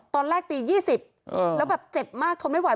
ตอนแรกตี๒๐แล้วแบบเจ็บมากทนไม่ไห